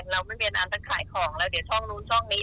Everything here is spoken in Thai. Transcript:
คนกินเขาก็งงกันไปหมดแล้วทุกวันนี้